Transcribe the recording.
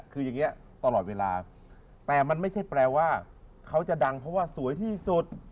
คืออย่างนี้ตลอดเวลาแต่มันไม่ใช่แปลว่าเขาจะดังเพราะว่าสวยที่สุด